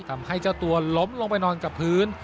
ทำให้เจ้าตัวล้มลงไปนอนกับพื้น